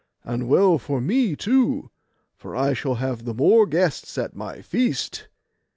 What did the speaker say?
And well for me too, for I shall have the more guests at my feast.